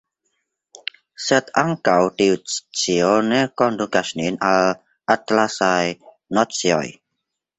Sed ankaŭ tiu scio ne kondukas nin al atlasaj nocioj.